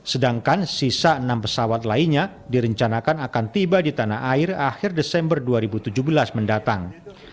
sedangkan sisa enam pesawat lainnya direncanakan akan tiba di tanah air akhir desember dua ribu tujuh belas mendatang